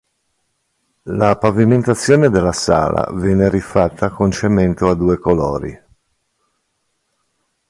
La pavimentazione della sala venne rifatta con cemento a due colori.